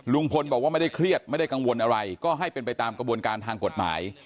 ลุงพลบอกว่าไม่ได้เครียดไม่ได้กังวลอะไรก็ให้เป็นไปตามกระบวนการทางกฎหมาย